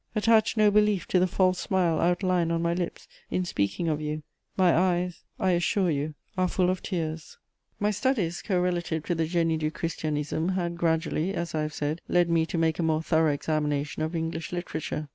Attach no belief to the false smile outlined on my lips in speaking of you: my eyes, I assure you, are full of tears. * My studies correlative to the Génie du Christianisme had gradually, as I have said, led me to make a more thorough examination of English literature.